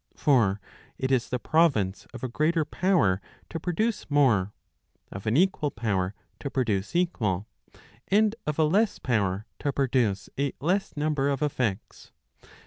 For it is the province of a greater power to produce more, of an equal power to produce equal, and of a less power to produce a less number of effects.